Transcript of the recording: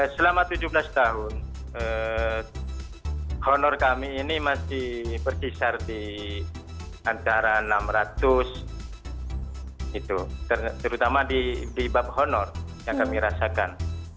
selama tujuh belas tahun honor kami ini masih berkisar di antara enam ratus itu terutama di bab honor yang kami rasakan